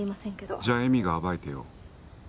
じゃあ詠美が暴いてよ